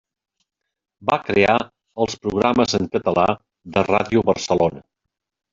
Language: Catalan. Va crear els programes en català de Ràdio Barcelona.